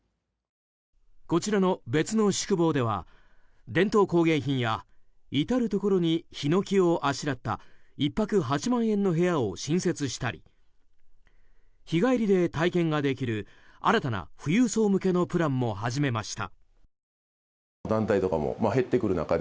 こちらの別の宿坊では伝統工芸品や至るところにヒノキをあしらった１泊８万円の部屋を新設したり日帰りで体験ができる新たな富裕層向けのプランも始めました。